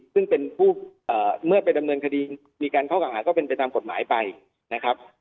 ซึ่งเป็นผู้เมื่อไปดำเนินคดีมีการข้อเก่าหาก็เป็นไปตามกฎหมายไปนะครับ